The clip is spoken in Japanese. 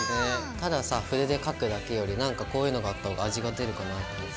たださ筆で描くだけより何かこういうのがあった方が味が出るかなと思って。